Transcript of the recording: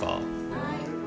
はい。